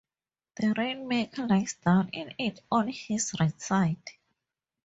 The rainmaker lies down in it on his right side.